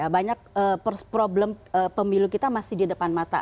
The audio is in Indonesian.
banyak problem pemilu kita masih di depan mata